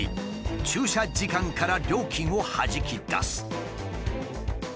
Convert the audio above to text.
駐車時間から料金をはじき出す。